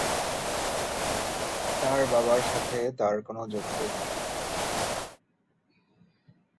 তার বাবার সাথে তার কোন যোগাযোগ নেই।